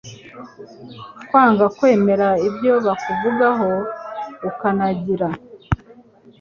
Kwanga kwemera ibyo bakuvugaho ukanangira.